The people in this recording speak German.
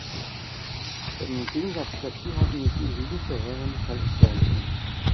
Im Gegensatz dazu hatten die Zulu verheerende Verluste erlitten.